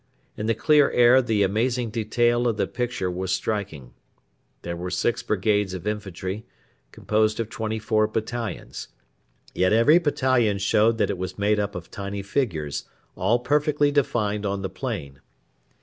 In the clear air the amazing detail of the picture was striking. There were six brigades of infantry, composed of twenty four battalions; yet every battalion showed that it was made up of tiny figures, all perfectly defined on the plain.